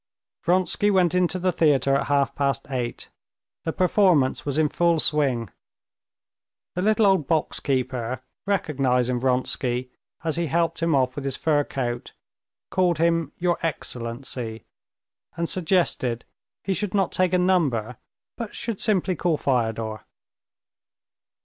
Vronsky went into the theater at half past eight. The performance was in full swing. The little old box keeper, recognizing Vronsky as he helped him off with his fur coat, called him "Your Excellency," and suggested he should not take a number but should simply call Fyodor.